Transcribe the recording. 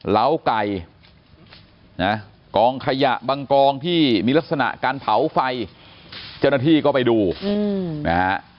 เหล้าไก่นะกองขยะบางกองที่มีลักษณะการเผาไฟเจ้าหน้าที่ก็ไปดูนะฮะ